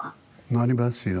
なりますよ。